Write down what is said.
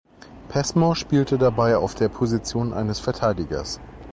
Passmore spielte dabei auf der Position eines Verteidigers.